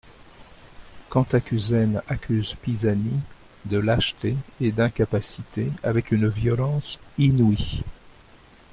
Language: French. Cantacuzène accuse Pisani de lâcheté et d'incapacité avec une violence inouïe.